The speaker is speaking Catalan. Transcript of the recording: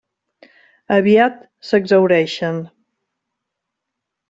Aviat s'exhaureixen.